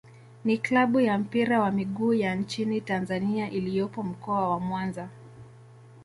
ni klabu ya mpira wa miguu ya nchini Tanzania iliyopo Mkoa wa Mwanza.